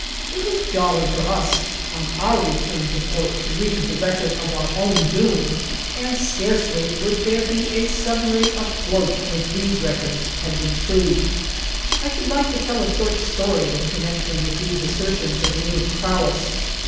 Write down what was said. It was jolly for us on our return to port to read the record of our own doom, and scarcely would there be a submarine afloat if these records had been true. I should like to tell a short story in connection with these assertions of English prowess.